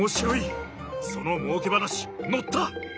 そのもうけ話乗った！